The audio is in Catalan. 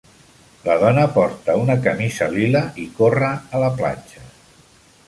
La dona porta una camisa lila i corre a la platja